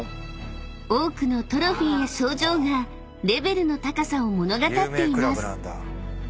［多くのトロフィーや賞状がレベルの高さを物語っています］